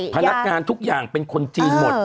พนักงานทุกอย่างเป็นคนจีนหมด